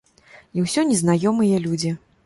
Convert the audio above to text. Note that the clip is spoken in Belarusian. І ўсё незнаёмыя людзі.